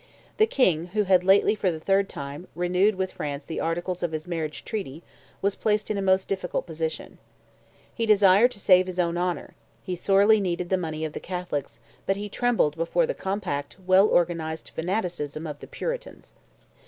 The King, who had lately, for the third time, renewed with France the articles of his marriage treaty, was placed in a most difficult position. He desired to save his own honour, he sorely needed the money of the Catholics, but he trembled before the compact, well organized fanaticism of the Puritans.